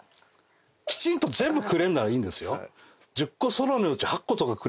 きちんと全部くれんならいいんですよ。